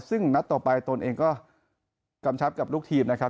ซึ่งนัดต่อไปตนเองก็กำชับกับลูกทีมนะครับ